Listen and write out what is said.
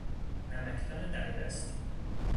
نمکدان دم دستی